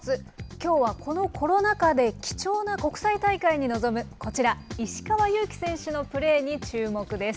きょうはこのコロナ禍で、貴重な国際大会に臨むこちら、石川祐希選手のプレーに注目です。